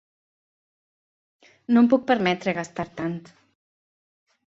No em puc permetre gastant tant.